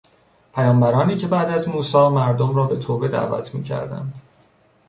پیامبرانی که بعد از موسی مردم را به توبه دعوت میکردند.